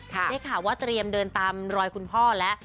ได้ข่าวว่าเตรียมเดินตามรอยคุณพ่อแล้ว